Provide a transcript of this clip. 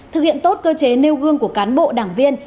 thực hiện tốt cơ chế nêu gương của cán bộ đảng viên